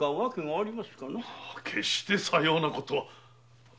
決してさようなことは。